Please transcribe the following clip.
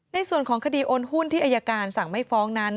ในส่วนของคดีโอนหุ้นที่อายการสั่งไม่ฟ้องนั้น